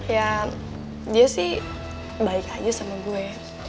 ya dia sih baik aja sama gue